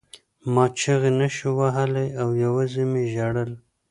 ما چیغې نشوې وهلی او یوازې مې ژړل